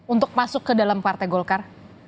untuk masuk ke dalam partai golkar